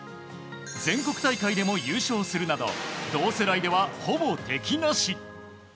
全国大会でも優勝するなど同世代では、ほぼ敵なし。